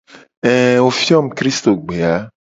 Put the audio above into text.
Ee wo fio mu kristogbe a.